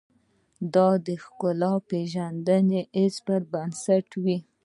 دا د ښکلا پېژندنې حس پر بنسټ وي.